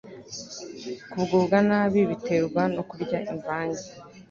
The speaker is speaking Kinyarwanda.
Kugubwa nabi biterwa no kurya imvange